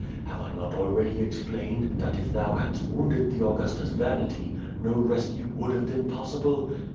Have I not already explained that if thou hadst wounded the Augusta's vanity, no rescue would have been possible?